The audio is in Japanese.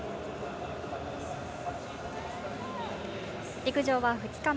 陸上は２日目。